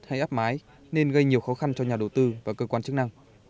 hay áp mái nên gây nhiều khó khăn cho nhà đầu tư và cơ quan chức năng